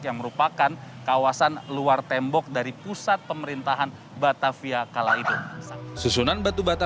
yang merupakan kawasan luar tembok dari pusat pemerintahan batavia kala itu susunan batu bata